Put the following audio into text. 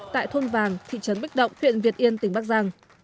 tại thôn vàng thị trấn bích động huyện việt yên tỉnh bắc giang